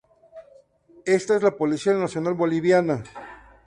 Ésta es La Policía Nacional Boliviana.